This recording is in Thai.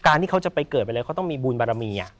ที่เขาจะไปเกิดไปเลยเขาต้องมีบุญบารมี